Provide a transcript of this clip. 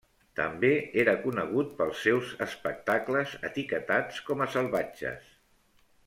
També era conegut pels seus espectacles etiquetats com a salvatges.